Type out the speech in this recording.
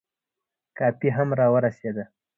کافي هم را ورسېده.